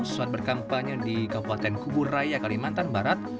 saat berkampanye di kepoten kubur raya kalimantan barat